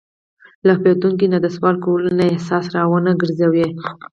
له پوهېدونکي نه د سوال کولو نه یې احساس را ونهګرځوي.